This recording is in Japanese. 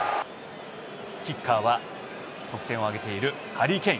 キッカーは得点を挙げているハリー・ケイン。